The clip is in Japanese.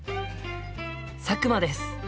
佐久間です。